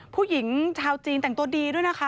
ผู้หญิงชาวจีนแต่งตัวดีด้วยนะคะ